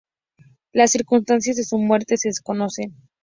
Las circunstancias de su muerte se desconocen.